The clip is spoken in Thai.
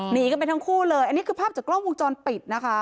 หนีกันไปทั้งคู่เลยอันนี้คือภาพจากกล้องวงจรปิดนะคะ